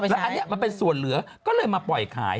แล้วอันนี้มันเป็นส่วนเหลือก็เลยมาปล่อยขาย